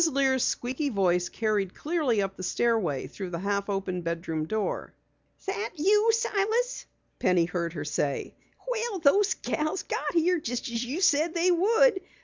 Lear's squeaky voice carried clearly up the stairway through the half open bedroom door. "That you, Silas?" Penny heard her say. "Well, those gals got here, just as you said they would!